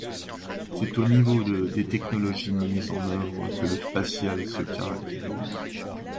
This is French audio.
C'est au niveau des technologies mises en œuvre que le spatial se caractérise.